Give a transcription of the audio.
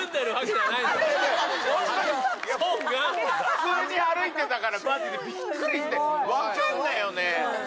普通に歩いてたからマジでびっくりして分かんないよね。